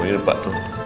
tuh ini pak